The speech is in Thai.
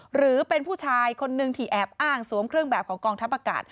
หรือเป็นผู้ชายคนนึงที่แอบอ้างสวมเครื่องแบบของกองทัพอากาศ